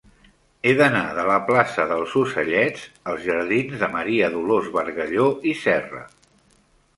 He d'anar de la plaça dels Ocellets als jardins de Maria Dolors Bargalló i Serra.